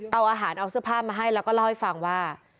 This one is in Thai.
เอาอาหารเอาเสื้อผ้ามาให้แล้วก็เล่าให้ฟังว่า